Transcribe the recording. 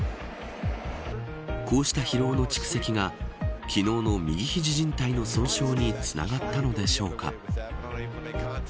こうした疲労の蓄積が昨日の右肘靱帯の損傷につながったのでしょうか。